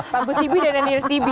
prabu sibi dan anir sibi